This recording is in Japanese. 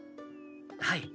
はい。